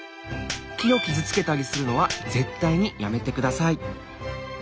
木を傷つけたりするのは絶対にやめてください。